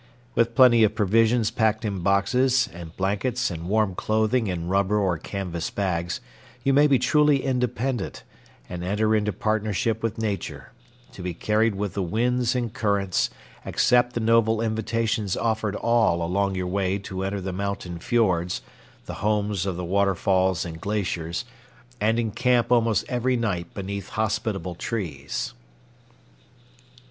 With plenty of provisions packed in boxes, and blankets and warm clothing in rubber or canvas bags, you may be truly independent, and enter into partnership with Nature; to be carried with the winds and currents, accept the noble invitations offered all along your way to enter the mountain fiords, the homes of the waterfalls and glaciers, and encamp almost every night beneath hospitable trees.